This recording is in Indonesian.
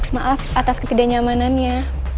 maaf atas ketidaknyamanannya